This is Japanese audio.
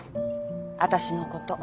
私のこと。